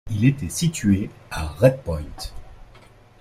Il était situé à Red Point.